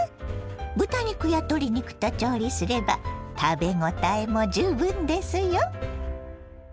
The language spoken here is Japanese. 豚肉や鶏肉と調理すれば食べごたえも十分ですよ。